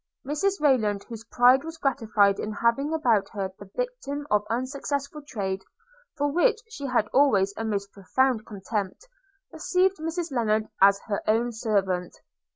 Mrs Rayland, whose pride was gratified in having about her the victim of unsuccessful trade, for which she had always a most profound contempt, received Mrs Lennard as her own servant.